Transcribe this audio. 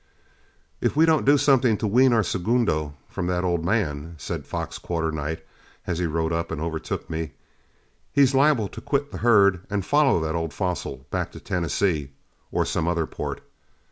"If we don't do something to wean our segundo from that old man," said Fox Quarternight, as he rode up and overtook me, "he's liable to quit the herd and follow that old fossil back to Tennessee or some other port.